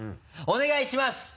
お願いします！